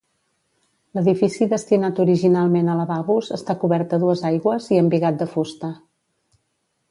L’edifici destinat originalment a lavabos està cobert a dues aigües i embigat de fusta.